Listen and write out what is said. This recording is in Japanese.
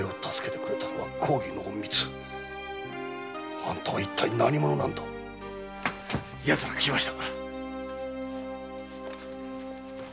あんたは一体何者なのだヤツらが来ました